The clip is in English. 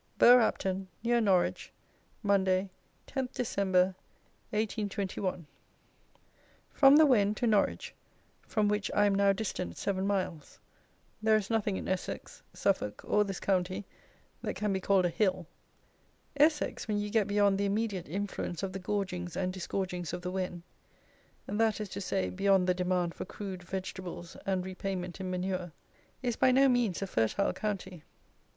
Bergh Apton, near Norwich, Monday, 10 Dec. 1821. From the Wen to Norwich, from which I am now distant seven miles, there is nothing in Essex, Suffolk, or this county, that can be called a hill. Essex, when you get beyond the immediate influence of the gorgings and disgorgings of the Wen; that is to say, beyond the demand for crude vegetables and repayment in manure, is by no means a fertile county.